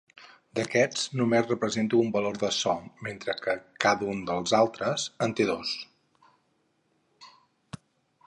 D'aquests, només representa un valor de so mentre que cada un dels altres en té dos.